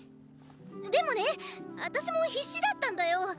でもねあたしも必死だったんだよ